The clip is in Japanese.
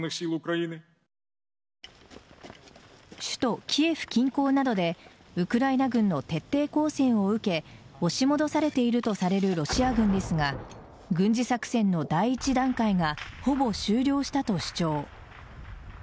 首都・キエフ近郊などでウクライナ軍の徹底抗戦を受け押し戻されているとされるロシア軍ですが軍事作戦の第１段階がほぼ終了したと主張。